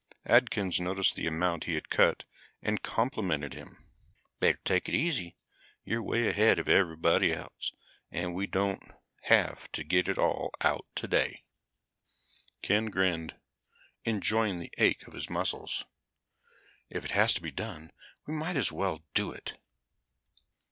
Atkins noticed the amount he had cut and complimented him. "Better take it easy. You're way ahead of everybody else, and we don't have to get it all out today." Ken grinned, enjoying the aches of his muscles. "If it has to be done we might as well do it."